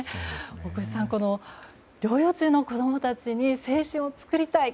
大越さん、療養中の子供たちに青春を作りたい。